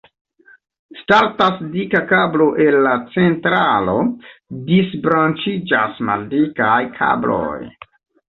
Startas dika kablo el la centralo, disbranĉiĝas maldikaj kabloj.